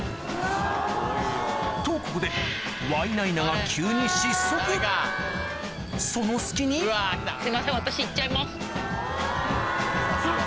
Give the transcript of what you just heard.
とここでワイナイナがその隙にすいません。